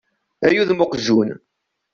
Ay udem uqejjun!